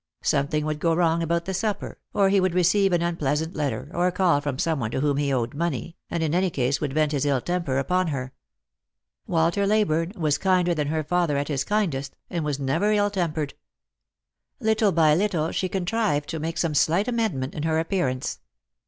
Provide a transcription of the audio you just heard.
Something would go wrong about the supper, or he would receive an un pleasant letter, or a call from some one to whom he owed money, and in any case would vent his ill temper upon her. Walter Leyburne was kinder than her father at his kindest, and was never ill tempered. Little by little she contrved to make some slight amendment in her appearance.